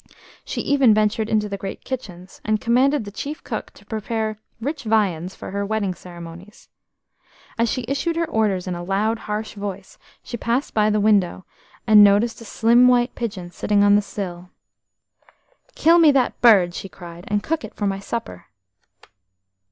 She even ventured into the great kitchens, and commanded the chief cook to prepare rich viands for her wedding ceremonies. As she issued her orders in a loud, harsh voice, she passed by the window, and noticed a slim white pigeon sitting on the sill. "Kill me that bird," she cried, "and cook it for my supper."